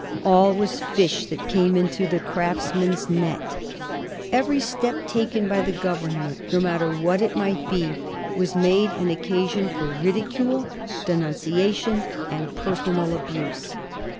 All was fish that came into the Craftsman^ s net. Every step taken by the Government, no matter what it might be, was made an occasion for ridicule, denunciation, and personal abuse.